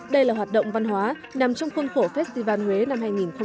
đây là hoạt động văn hóa nằm trong khuôn khổ festival huế năm hai nghìn một mươi chín